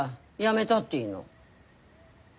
めだっていいの。